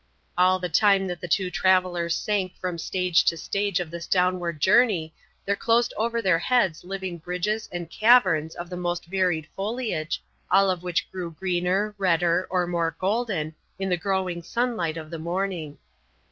All the time that the two travellers sank from stage to stage of this downward journey, there closed over their heads living bridges and caverns of the most varied foliage, all of which grew greener, redder, or more golden, in the growing sunlight of the morning.